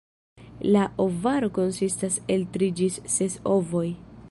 La ovaro konsistas el tri ĝis ses ovoj.